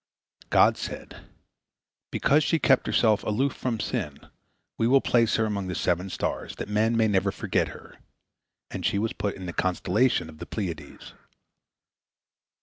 God said, "Because she kept herself aloof from sin, we will place her among the seven stars, that men may never forget her," and she was put in the constellation of the Pleiades.